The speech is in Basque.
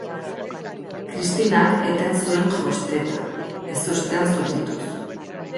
Kristinak eten zuen josteta, ezustean zutituz.